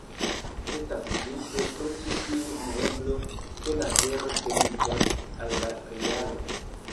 Estas ĝuste pro ĉi tiu neeblo, ke la vero teniĝas al la realo.